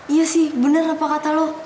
iya sih benar apa kata lo